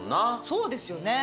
そうですよね。